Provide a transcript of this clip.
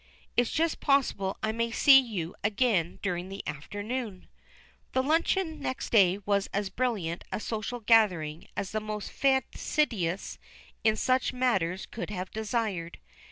It's just possible I may see you again during the afternoon." The luncheon next day was as brilliant a social gathering as the most fastidious in such matters could have desired.